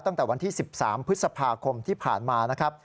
ตั้งแต่วันที่๑๓พฤษภาคมที่ผ่านมานะครับ